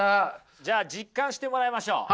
じゃあ実感してもらいましょう。